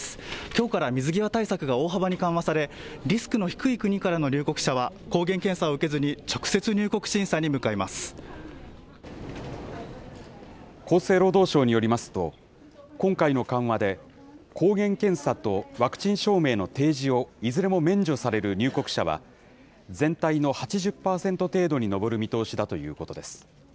きょうから水際対策が大幅に緩和され、リスクの低い国からの入国者は抗原検査を受けずに直接入国審査に厚生労働省によりますと、今回の緩和で、抗原検査とワクチン証明の提示をいずれも免除される入国者は、全体の８０％程度に上る見通しだということです。